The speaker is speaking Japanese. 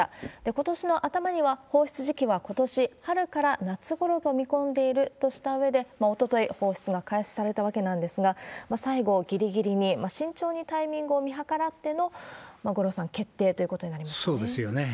ことしの頭には、放出時期はことし春から夏ごろと見込んでいるとしたうえで、おととい、放出が開始されたわけなんですが、最後、ぎりぎりに、慎重にタイミングを見計らっての、五郎さん、決定ということになりそうですよね。